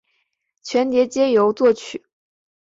全碟皆由作曲。